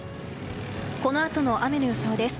このあとの雨の予想です。